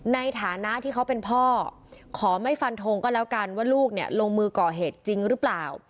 ในฐานะที่เขาเป็นพ่อขอไม่ฟันทงก็แล้วกันว่าลูกเนี่ยลงมือก่อเหตุจริงหรือเปล่า